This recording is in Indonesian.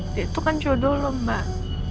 dia itu kan jodoh loh mbak